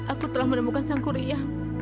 aku telah menemukan sangku ria